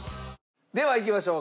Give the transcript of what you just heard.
ではいきましょう。